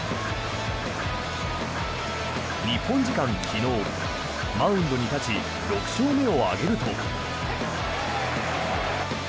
日本時間昨日マウンドに立ち６勝目を挙げると。